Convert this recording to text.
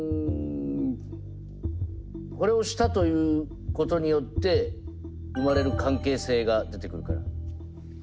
これをしたということによって生まれる関係性が出てくるから。